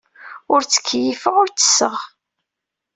Ur ttkeyyifeɣ, ur ttesseɣ.